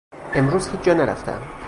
امروز هیچ جا نرفتهام.